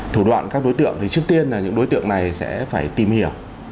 thủ đoạn các đối tượng thì trước tiên là những đối tượng này sẽ phải tìm hiểu